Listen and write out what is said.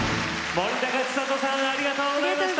森高千里さんありがとうございました。